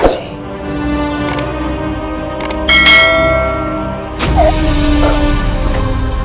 mengambil air di sungai